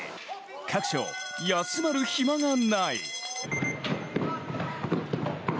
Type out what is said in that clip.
各所、休まる暇がない。